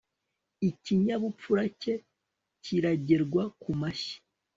Ikinyabupfura cye kiragerwa ku mashyi